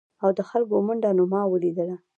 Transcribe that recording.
او د خلکو منډه نو ما ولیدله ؟